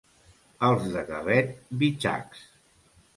Els de Gavet, bitxacs.